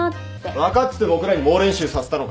分かってて僕らに猛練習させたのか。